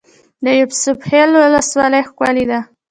د یوسف خیل ولسوالۍ ښکلې ده